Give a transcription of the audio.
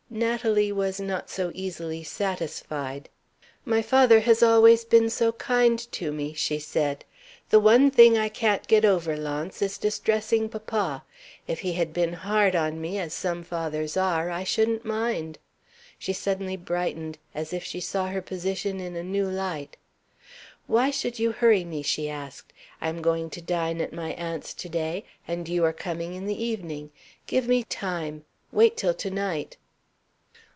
Natalie was not so easily satisfied. "My father has always been so kind to me!" she said. "The one thing I can't get over, Launce, is distressing papa. If he had been hard on me as some fathers are I shouldn't mind." She suddenly brightened, as if she saw her position in a new light. "Why should you hurry me?" she asked. "I am going to dine at my aunt's to day, and you are coming in the evening. Give me time! Wait till to night."